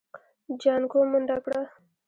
جانکو منډه کړه.